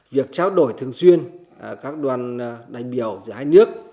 việc trao đổi thường xuyên các đoàn đại biểu giữa hai nước